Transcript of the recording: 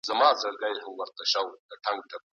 د خلاقيت قانون نوښت رامنځته کوي.